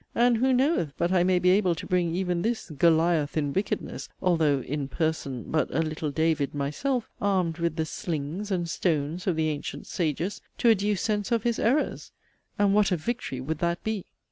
And who knoweth but I may be able to bring even this 'Goliath in wickedness,' although in 'person' but a 'little David' myself, (armed with the 'slings' and 'stones' of the 'ancient sages,') to a due sense of his errors? And what a victory would that be!